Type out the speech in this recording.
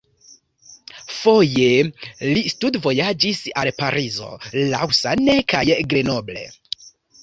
Foje li studvojaĝis al Parizo, Lausanne kaj Grenoble.